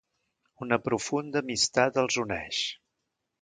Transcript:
Una profunda amistat els uneix.